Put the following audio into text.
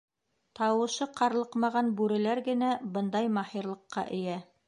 Тауышы ҡарлыҡмаған бүреләр генә бындай маһирлыҡҡа эйә.